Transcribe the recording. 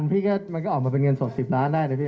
แต่พี่เอาไปธนาคารมันก็ออกมาเป็นเงินสดสิบล้านได้นะพี่